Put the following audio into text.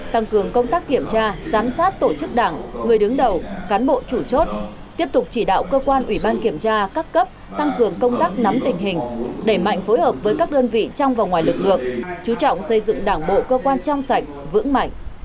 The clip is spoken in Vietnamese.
tăng cường công tác kiểm tra giám sát tổ chức đảng người đứng đầu cán bộ chủ chốt tiếp tục chỉ đạo cơ quan ủy ban kiểm tra các cấp tăng cường công tác nắm tình hình đẩy mạnh phối hợp với các đơn vị trong và ngoài lực lượng chú trọng xây dựng đảng bộ cơ quan trong sạch vững mạnh